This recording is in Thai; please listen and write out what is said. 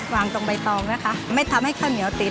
วางตรงใบตองนะคะไม่ทำให้ข้าวเหนียวติด